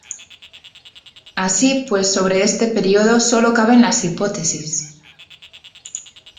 Así pues sobre este periodo sólo caben las hipótesis.